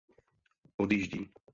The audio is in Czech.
Odjíždí.